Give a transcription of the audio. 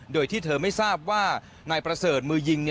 โดยที่เธอไม่ทราบว่านายประเสริฐมือยิง